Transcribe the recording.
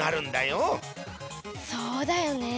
そうだよね。